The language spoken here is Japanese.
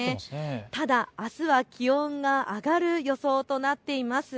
ただあすは気温が上がる予想となっています。